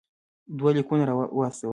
دوه لیکونه واستول.